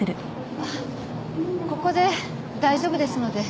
あっここで大丈夫ですので。